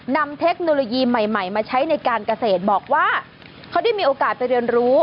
เทคโนโลยีใหม่ใหม่มาใช้ในการเกษตรบอกว่าเขาได้มีโอกาสไปเรียนรู้